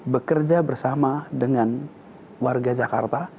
bekerja bersama dengan warga jakarta